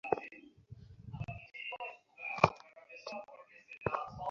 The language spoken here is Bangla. হাতটা কিছুদিনের জন্য বিশ্রাম পাবে।